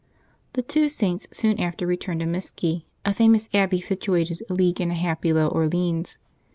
The two Saints soon after returned to Miscy, a famous abbey situated a league and a half below Orleans.